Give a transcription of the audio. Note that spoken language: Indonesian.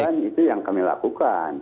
kan itu yang kami lakukan